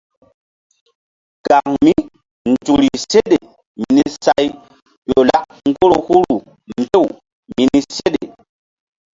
Kaŋ mí nzukri seɗe mini say ƴo lak ŋgoro huru mbew mini seɗe.